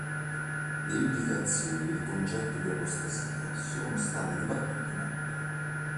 Le implicazioni del concetto di apostasia sono state dibattute molto.